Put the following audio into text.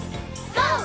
ＧＯ！